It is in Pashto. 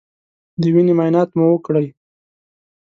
د وینې معاینات مو وکړی